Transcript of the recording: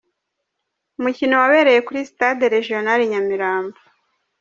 Umukino wabereye kuri Stade Regional i Nyamirambo.